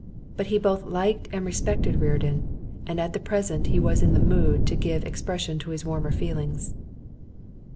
But he both liked and respected Reardon, and at present he was in the mood to give expression to his warmer feelings.